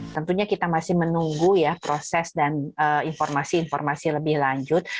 tentunya kita masih menunggu ya proses dan informasi informasi lebih lanjut